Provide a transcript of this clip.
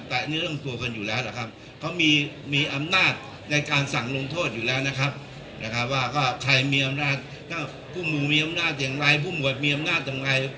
แต่ว่าใครมีอำนาจทั้งคู่มูลมีอำนาจอย่างไรคู่กรมีอำนาจอย่างไร